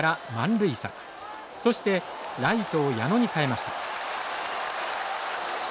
そしてライトを矢野に代えました。